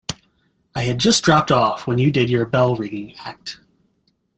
I had just dropped off when you did your bell-ringing act.